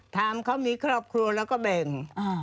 ทำเขามีครอบครัวแล้วก็แบ่ง